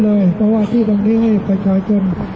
ที่เกี่ยวข้างหนึ่งที่เกี่ยวข้างหนึ่ง